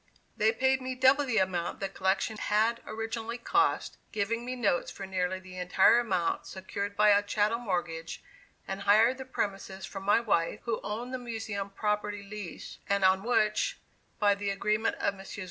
They paid me double the amount the collection had originally cost, giving me notes for nearly the entire amount secured by a chattel mortgage, and hired the premises from my wife, who owned the Museum property lease, and on which, by the agreement of Messrs.